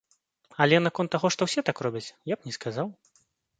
Але наконт таго, што ўсе так робяць, я б не сказаў.